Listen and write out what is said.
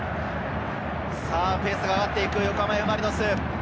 ペースが上がっていく、横浜Ｆ・マリノス。